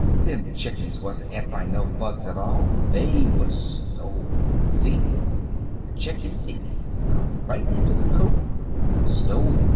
Them chickens wasn't eat by no bugs at all they was stole. See? A chicken thief come right into the coop and stole them.